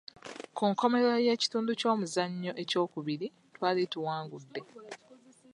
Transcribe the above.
Ku nkomerero y'ekitundu ky'omuzannyo ekyokubiri, twali tuwangudde.